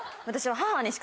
私は。